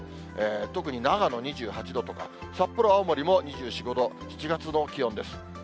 特に長野２８度だとか、札幌、青森も２４、５度、７月の気温です。